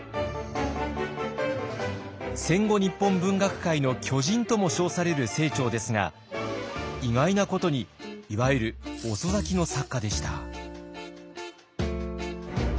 戦後日本文学界の巨人とも称される清張ですが意外なことにいわゆる遅咲きの作家でした。